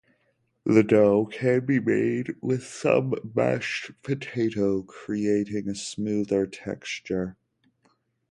The dough can be made with some mashed potato, creating a smoother texture.